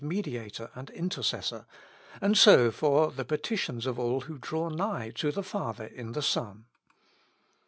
Mediator and Intercessor, and so for the petitions of all who draw nigh to the Father in the Son.